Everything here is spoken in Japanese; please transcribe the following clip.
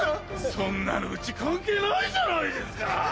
そんなのうち関係ないじゃないですか。